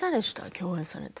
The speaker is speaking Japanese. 共演されて。